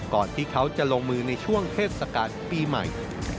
ก่อนที่เขาจะลงมือในช่วงเทศกาลปีใหม่